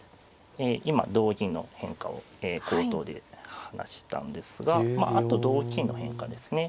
今同銀の変化を口頭で話したんですがあと同金の変化ですね。